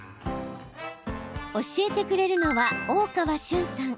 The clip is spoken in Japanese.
教えてくれるのは、大川俊さん。